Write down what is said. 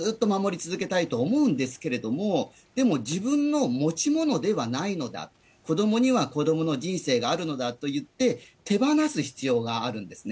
健康な親子は、親は子どもを心から愛して、ずっと守り続けたいと思うんですけれども、でも自分の持ち物ではないのだ、子どもには子どもの人生があるのだといって、手放す必要があるんですね。